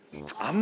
あ！